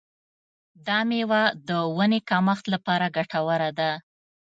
دا میوه د وینې کمښت لپاره ګټوره ده.